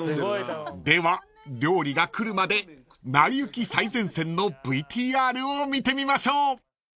では料理が来るまで「なりゆき最前線」のＶＴＲを見てみましょう］